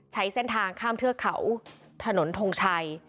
ใช้เส้นทางข้ามเทือกเขาถนนทงชัย